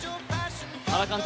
原監督